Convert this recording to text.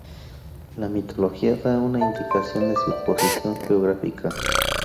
La mitología da una indicación de su posición geográfica.